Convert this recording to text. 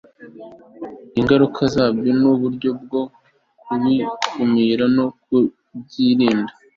ingaruka zabyo n'uburyo bwo kubikumira no kubyirinda